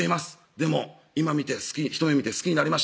「でも今見てひと目見て好きになりました」